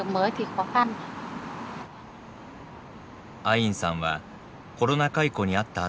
アインさんはコロナ解雇に遭った